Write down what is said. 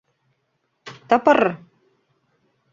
Тпрр!